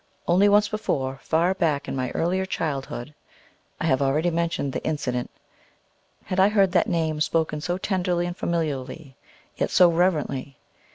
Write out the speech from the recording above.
Once only before, far back in my earlier childhood I have already mentioned the incident had I heard that Name spoken so tenderly and familiarly, yet so reverently.